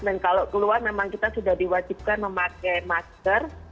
dan kalau keluar memang kita sudah diwajibkan memakai masker